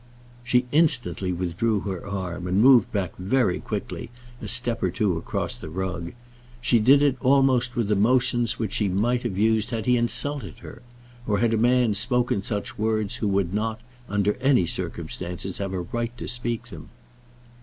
She instantly withdrew her arm and moved back very quickly a step or two across the rug. She did it almost with the motion which she might have used had he insulted her; or had a man spoken such words who would not, under any circumstances, have a right to speak them.